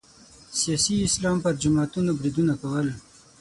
سیاسي اسلام پر جماعتونو بریدونه کول